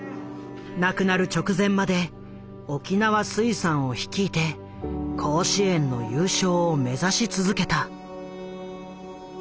亡くなる直前まで沖縄水産を率いて甲子園の優勝を目指し続けた。